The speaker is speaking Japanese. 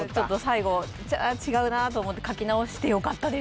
最後違うなと思って書き直してよかったです